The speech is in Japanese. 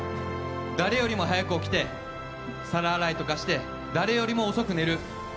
誰よりも早く起きて皿洗いとかして誰よりも遅く寝る。